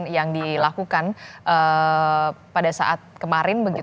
yang dilakukan pada saat kemarin